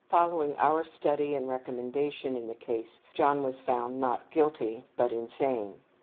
Following our study and recommendation in the case John was found not guilty, but insane.